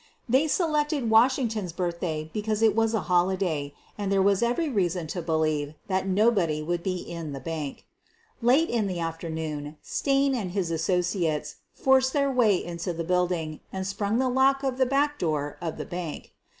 They selected Washington's Birthday because it was a holiday, and there was every reason to believe that nobody would be in the bank. Late in the afternoon Stain and his associates forced their way into the building and sprung the lock of the back door of the bank.